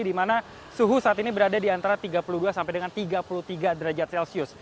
di mana suhu saat ini berada di antara tiga puluh dua sampai dengan tiga puluh tiga derajat celcius